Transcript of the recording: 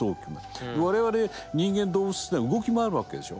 我々人間動物ってのは動き回るわけでしょう。